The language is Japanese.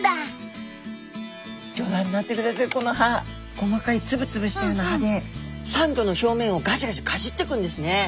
細かいつぶつぶしたような歯でサンゴの表面をガジガジかじっていくんですね。